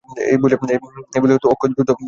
এই বলিয়া অক্ষয় দ্রুতবেগে বাহির হইয়া গেল।